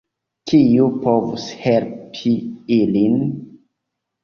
Kiu povus helpi ilin?